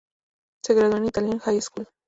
Se graduó de Italian High School.